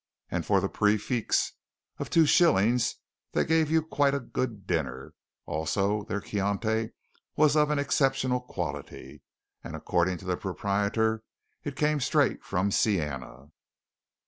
And for the prix fixe of two shillings they gave you quite a good dinner; also their Chianti was of exceptional quality, and according to the proprietor, it came straight from Siena.